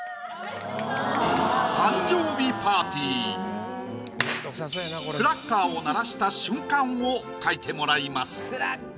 パパーンクラッカーを鳴らした瞬間を描いてもらいます。